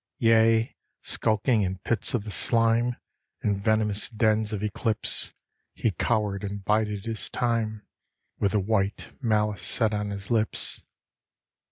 Yea, skulking in pits of the slime in venomous dens of eclipse He cowered and bided his time, with the white malice set on his lips.